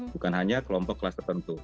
bukan hanya kelompok kelas tertentu